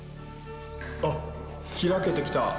あっ、開けてきた。